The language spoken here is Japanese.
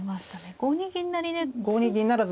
５二銀成で。